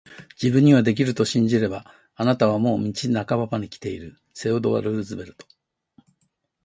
自分にはできると信じれば、あなたはもう道半ばまで来ている～セオドア・ルーズベルト～